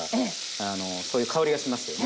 あのそういう香りがしますよね。